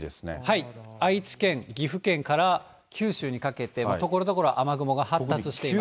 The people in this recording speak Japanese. はい、愛知県、岐阜県から九州にかけて、ところどころ雨雲が発達しています。